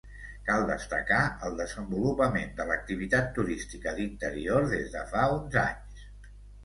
Cal destacar el desenvolupament de l'activitat turística d'interior des de fa uns anys.